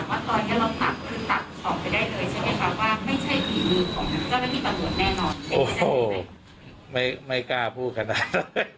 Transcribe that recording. ออกไปได้เลยใช่ไหมคะว่าไม่ใช่ทีมือของแก้วโอ้โหไม่กล้าพูดขนาด